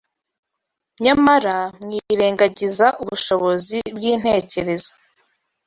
nyamara mwirengagiza ubushobozi bw’intekerezo.